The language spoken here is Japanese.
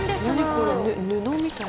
何これ布みたい。